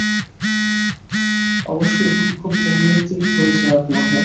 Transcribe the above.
অবশ্য ইহা খুব উন্নতির পরিচায়ক নহে।